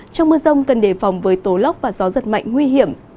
trong mưa rông cần đề phòng với tố lốc và gió giật mạnh nguy hiểm